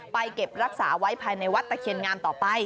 เก็บรักษาไว้ภายในวัดตะเคียนงามต่อไป